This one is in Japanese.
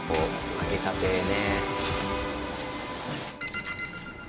揚げたてね。